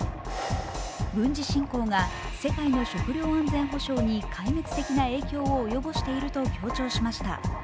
軍事侵攻が世界の食糧安全保障に壊滅的な影響を及ぼしていると強調しました。